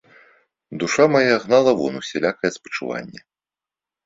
Душа мая гнала вон усялякае спачуванне.